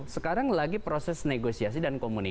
sekarang lagi proses negosiasi dan komunikasi